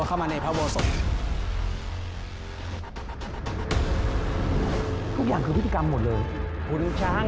เข้ามาในพระโบสถทุกอย่างคือพฤติกรรมหมดเลยขุนช้าง